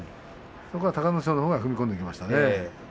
隆の勝のほうが踏み込んでいきましたね。